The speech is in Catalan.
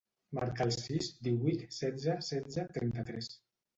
Marca el sis, divuit, setze, setze, trenta-tres.